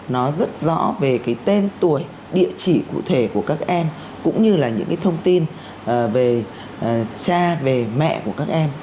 nó rất rõ về cái tên tuổi địa chỉ cụ thể của các em cũng như là những cái thông tin về cha về mẹ của các em